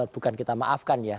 bukan kita maafkan ya